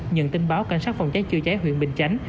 nhận tin báo cảnh sát phòng cháy chữa cháy huyện bình chánh